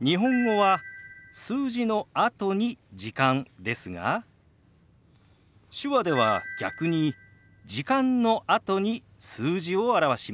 日本語は数字のあとに「時間」ですが手話では逆に「時間」のあとに数字を表します。